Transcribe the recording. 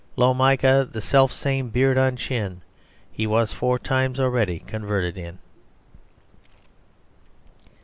Lo, Micah the self same beard on chin He was four times already converted in!"